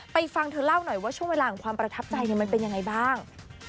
ฟังเธอเล่าหน่อยว่าช่วงเวลาของความประทับใจมันเป็นยังไงบ้าง